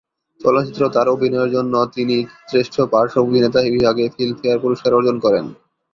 চলচ্চিত্র তার অভিনয়ের জন্য তিনি শ্রেষ্ঠ পার্শ্ব অভিনেতা বিভাগে ফিল্মফেয়ার পুরস্কার অর্জন করেন।